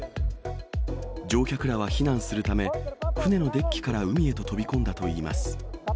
乗客らは避難するため、船のデッキから海へと飛び込んだといいます。